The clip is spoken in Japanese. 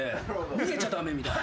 逃げちゃ駄目みたいな。